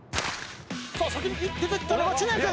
先に出てきたのは知念君。